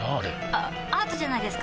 あアートじゃないですか？